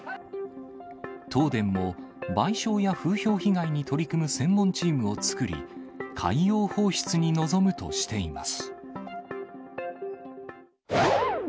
東電も賠償や風評被害に取り組む専門チームを作り、海洋放出に臨むとしています。